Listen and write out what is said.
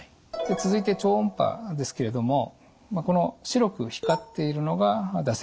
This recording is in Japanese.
続いて超音波ですけれどもこの白く光っているのが唾石になります。